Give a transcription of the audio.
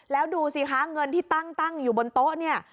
แล้วดูสิคะเงินที่ตั้งอยู่บนโต๊ะเนี่ย